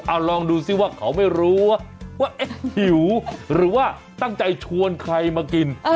เอาลองดูซิว่าเขาไม่รู้ว่าเอ๊ะหิวหรือว่าตั้งใจชวนใครมากิน